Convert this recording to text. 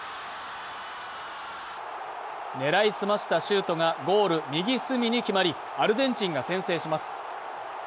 狙い澄ましたシュートがゴール右隅に決まり、アルゼンチンが先制します。